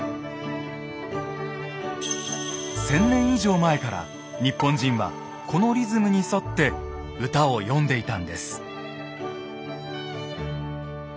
１，０００年以上前から日本人はこのリズムに沿って歌を詠んでいたんです。